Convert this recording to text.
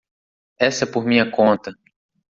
Essa é por minha conta.